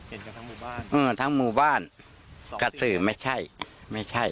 เห็นกันทั้งหมู่บ้านเออทั้งหมู่บ้านกระสือไม่ใช่ไม่ใช่